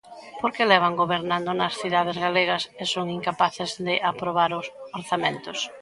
Porque levan gobernando nas cidades galegas e son incapaces de aprobar os orzamentos.